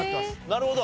なるほど。